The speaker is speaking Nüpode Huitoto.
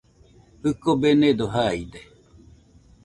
Jɨko benedo jaide